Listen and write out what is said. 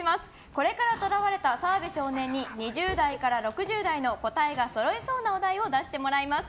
これから捕らわれた澤部少年に２０代から６０代の答えがそろいそうなお題を出してもらいます。